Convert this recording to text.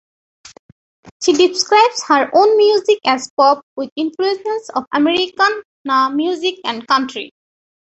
She describes her own music as pop with influences of Americana music and country.